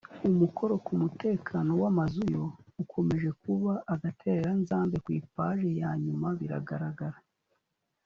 umukoro ku mutekano w amazu yo ukomeje kuba agatereranzambe. ku ipaje ya nyuma biragaragara